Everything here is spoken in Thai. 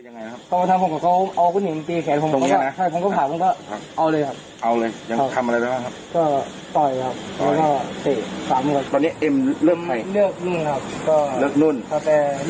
นุ่นแต่ลูกคนปกติมากไม่เคยให้ลำหาผู้รักลงให้ลูกคน